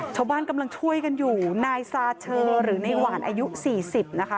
ชาวบ้านกำลังช่วยกันอยู่นายซาเชอหรือในหวานอายุสี่สิบนะคะ